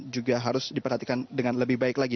juga harus diperhatikan dengan lebih baik lagi